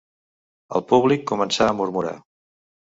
El públic començà a murmurar.